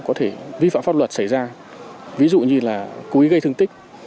có thể vi phạm pháp luật xảy ra ví dụ như là cúi gây thương tích